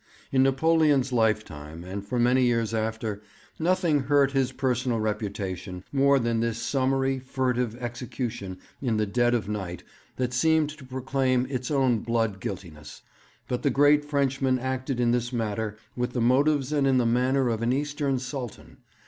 In Napoleon's lifetime, and for many years after, nothing hurt his personal reputation more than this summary, furtive execution in the dead of night that seemed to proclaim its own blood guiltiness. But the great Frenchman acted in this matter with the motives and in the manner of an Eastern Sultan.